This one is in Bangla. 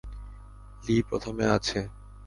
লি প্রথমে আছে।